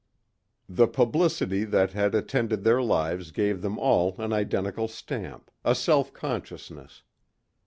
The publicity that had attended their lives gave them all an identical stamp, a self consciousness.